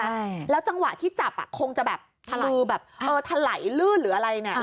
ใช่แล้วจังหวะที่จับอ่ะคงจะแบบทะลือแบบเออถลายลื่นหรืออะไรเนี่ย